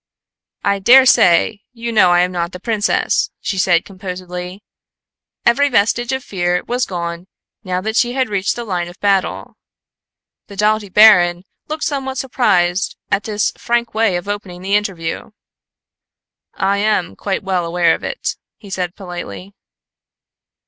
"I daresay you know I am not the princess," she said composedly. Every vestige of fear was gone now that she had reached the line of battle. The doughty baron looked somewhat surprised at this frank way of opening the interview. "I am quite well aware of it," he said politely.